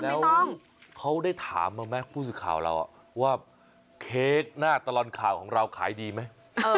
แล้วเขาได้ถามมาไหมผู้สื่อข่าวเราว่าเค้กหน้าตลอดข่าวของเราขายดีไหม